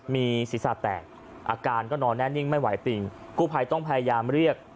มีศีรษะแตกอาการก็นอนแน่นิ่งไม่ไหวปิงกู้ภัยต้องพยายามเรียก